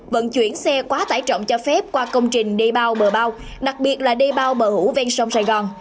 vận chuyển xe quá tải trọng cho phép qua công trình đê bao bờ bao đặc biệt là đê bao bờ hũ ven sông sài gòn